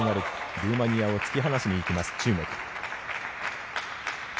ルーマニアを引き離しに行きます中国。